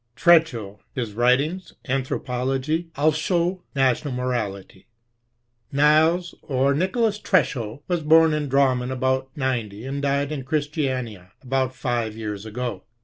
Treschow — His writings — Anthropology — Eilschow — National Morality* Niels, or Nicholas, Treschow, was bom in Drammen, about ninety, and died in Christiania, about five years, ago.